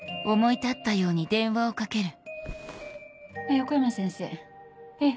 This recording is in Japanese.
横山先生ええ